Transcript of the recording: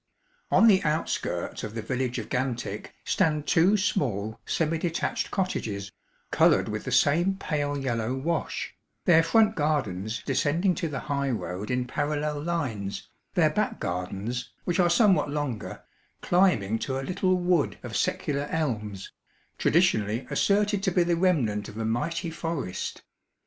On the outskirts of the village of Gantick stand two small semi detached cottages, coloured with the same pale yellow wash, their front gardens descending to the high road in parallel lines, their back gardens (which are somewhat longer) climbing to a little wood of secular elms, traditionally asserted to be the remnant of a mighty forest.